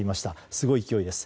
すごい勢いです。